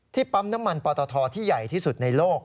ปั๊มน้ำมันปอตทที่ใหญ่ที่สุดในโลก